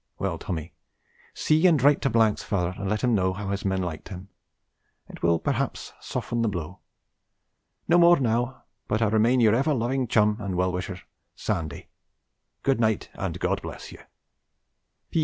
Well, Tommy, see and write to 's father and let him know how his men liked him, it will perhaps soften the blow. No more now, but I remain your ever loving chum and well wisher, SANDY. 'Good night and God bless you.